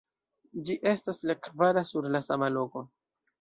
Ĝi estas la kvara sur la sama loko.